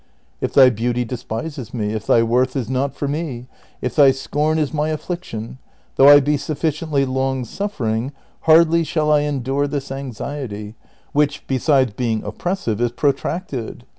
If thy beauty despises me, if thy worth is not for me, if thy scorn is my affliction, though I be sufficiently long suffering, hardly shall I en dure this anxiety, which, besides being oppressive, is protracted.